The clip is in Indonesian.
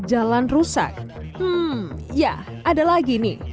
jalan rusak hmm ya ada lagi nih